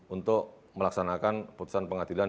untuk melaksanakan putusan pengadilan